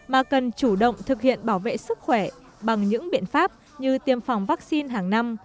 mà cần chủ động thực hiện bảo vệ sức khỏe bằng những biện pháp như tiêm phòng vaccine hàng năm